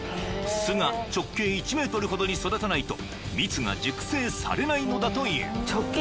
［巣が直径１ｍほどに育たないと蜜が熟成されないのだという］